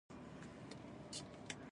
ټپي ته باید له تودو خبرو نه کار واخلو.